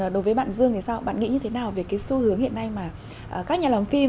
đối với bạn dương thì sao bạn nghĩ như thế nào về cái xu hướng hiện nay mà các nhà làm phim